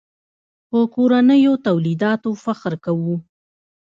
په کورنیو تولیداتو فخر کوو.